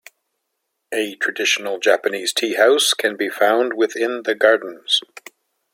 A traditional Japanese tea house can be found within the gardens.